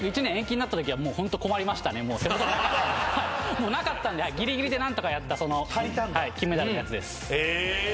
もうなかったんでギリギリで何とかやったその金メダルのやつです。